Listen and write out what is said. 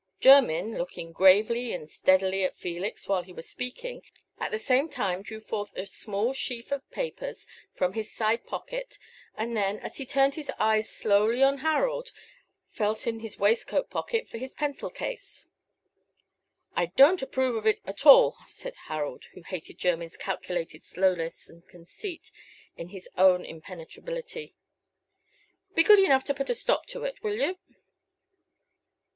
Jermyn, looking gravely and steadily at Felix while he was speaking, at the same time drew forth a small sheaf of papers from his side pocket, and then, as he turned his eyes slowly on Harold, felt in his waistcoat pocket for his pencil case. "I don't approve of it at all," said Harold, who hated Jermyn's calculated slowness and conceit in his own impenetrability. "Be good enough to put a stop to it, will you?"